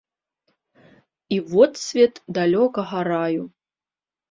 І водсвет далёкага раю.